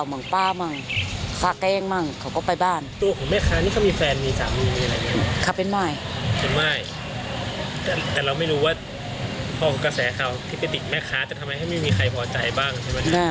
จะทำให้ไม่มีใครปลอดใจบ้างใช่ไหมครับ